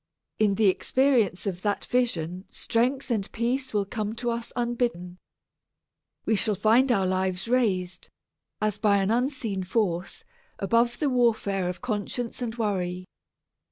In the experience of that vision strength and peace will come to us unbidden. We shall find our lives raised, as by an unseen force, above the warfare of conscience and worry.